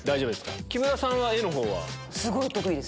木村さんは絵のほうは？